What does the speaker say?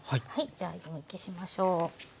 じゃあ湯むきしましょう。